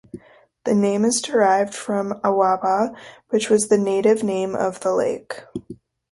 The name is derived from "Awaba", which was the native name of the lake.